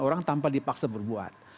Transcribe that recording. orang tanpa dipaksa berbuat